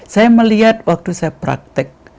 saya melihat waktu saya praktek